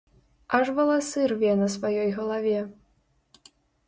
Аж валасы рве на сваёй галаве.